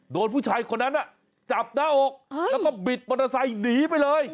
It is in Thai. โดนผู้ชายคนนั้นจับหน้าอกแล้วก็บิดมอเตอร์ไซค์หนีไปเลย